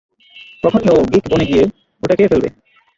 তখনই ও গিক বনে গিয়ে ওটা খেয়ে ফেলবে।